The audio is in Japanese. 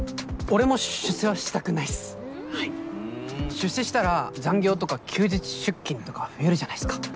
出世したら残業とか休日出勤とか増えるじゃないっすか。